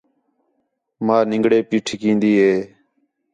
ماں نِنگڑے پی ٹِھکین٘دی ہے